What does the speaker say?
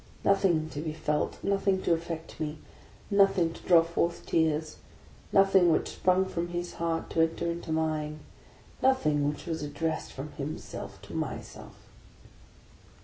Nothing to be felt, nothing to affect me, nothing to draw forth tears, nothing which sprung from his heart to enter into mine, — nothing which was addressed from himself to myself.